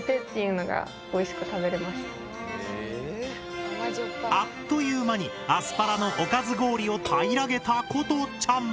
微妙な感じだけどあっという間にアスパラのおかず氷を平らげた瑚都ちゃん！